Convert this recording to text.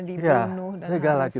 dibunuh ya lebih galak